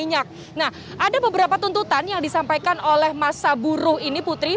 nah ada beberapa tuntutan yang disampaikan oleh masa buruh ini putri